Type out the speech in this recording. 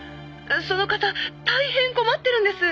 「その方大変困っているんです」